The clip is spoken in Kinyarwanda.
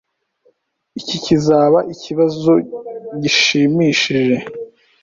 Iki kizaba ikibazo gishimishije.